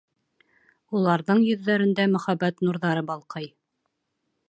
Уларҙың йөҙҙәрендә мөхәббәт нурҙары балҡый.